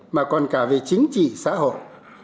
mà còn cả về chính trị xã hội